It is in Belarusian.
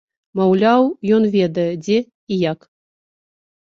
Маўляў, ён ведае, дзе і як.